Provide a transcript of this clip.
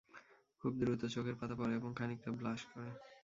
খুব দ্রুত চোখের পাতা পড়ে এবং খানিকটা ব্লাশ করে।